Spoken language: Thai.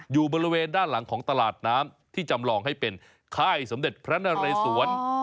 อยู่บริเวณด้านหลังของตลาดน้ำที่จำลองให้เป็นค่ายสมเด็จพระนเรศวร